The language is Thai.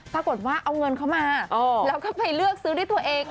ปรากฏว่าเอาเงินเข้ามาแล้วก็ไปเลือกซื้อด้วยตัวเอง